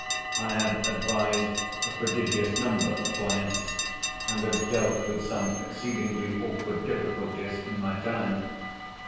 I have advised a prodigious number of clients, and have dealt with some exceedingly awkward difficulties, in my time.